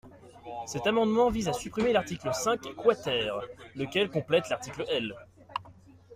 Cet amendement vise à supprimer l’article cinq quater, lequel complète l’article L.